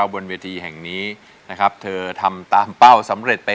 แบบใจ